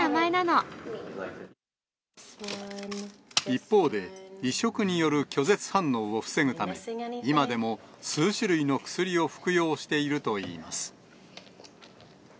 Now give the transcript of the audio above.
一方で、移植による拒絶反応を防ぐため、今でも数種類の薬を服用しているといいます。